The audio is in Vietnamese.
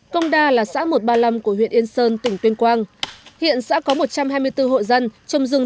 công đa là xã mùa